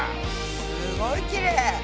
すごいきれい！